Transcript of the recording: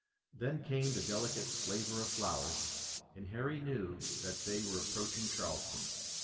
Then came the delicate flavor of flowers and Harry knew that they were approaching Charleston.